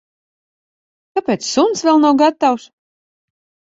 Kāpēc suns vēl nav gatavs?